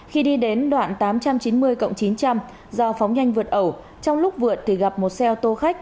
khi đi đến đoạn tám trăm chín mươi chín trăm linh do phóng nhanh vượt ẩu trong lúc vượt thì gặp một xe ô tô khách